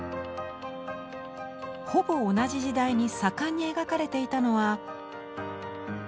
ほぼ同じ時代に盛んに描かれていたのは。